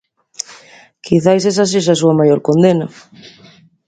Quizais esa sexa a súa maior "condena".